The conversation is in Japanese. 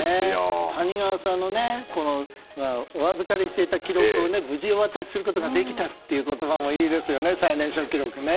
谷川さんのお預かりしていた記録を無事お渡しすることができたという言葉もいいですよね。